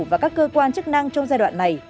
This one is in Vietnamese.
và các cơ quan chức năng trong giai đoạn này